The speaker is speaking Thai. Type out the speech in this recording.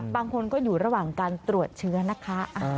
บางคนก็อยู่ระหว่างการตรวจเชื้อนะคะ